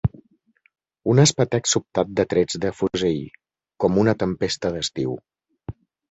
...un espetec sobtat de trets de fusell, com una tempesta d'estiu